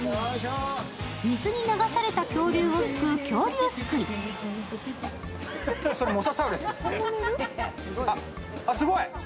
水に流された恐竜をすくう、恐竜すくい